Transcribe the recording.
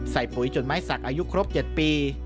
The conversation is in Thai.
ปุ๋ยจนไม้สักอายุครบ๗ปี